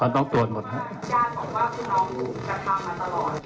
เราต้องตรวจหมดนะครับ